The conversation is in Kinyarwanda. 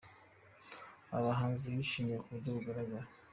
Aba bahanzi bishimiwe ku buryo bugaragara.